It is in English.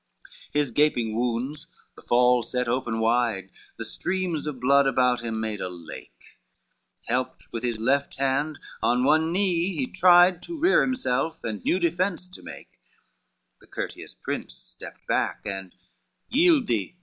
XXV His gaping wounds the fall set open wide, The streams of blood about him made a lake, Helped with his left hand, on one knee he tried To rear himself, and new defence to make: The courteous prince stepped back, and "Yield thee!"